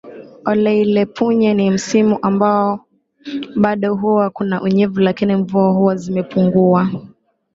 Oleilepunye ni msimu ambao bado huwa kuna unyevu lakini mvua huwa zimepunguwa